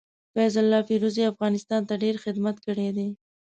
فيض الله فيروزي افغانستان ته ډير خدمت کړي دي.